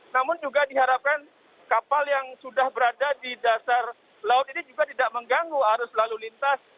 namun juga diharapkan kapal yang sudah berada di dasar laut ini juga tidak mengganggu arus lalu lintas